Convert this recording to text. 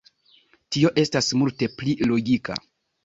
Tio estas multe pli logika!